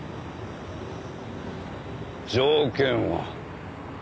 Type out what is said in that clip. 条件は？